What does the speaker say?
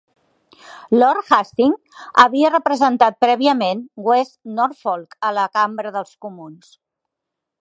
Lord Hastings havia representat prèviament West Norfolk a la Cambra dels Comuns.